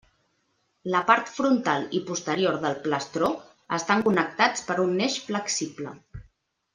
La part frontal i posterior del plastró estan connectats per un eix flexible.